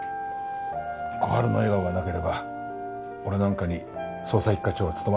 小春の笑顔がなければ俺なんかに捜査一課長は務まらんよ。